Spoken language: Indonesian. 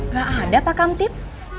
nggak ada pak kamtip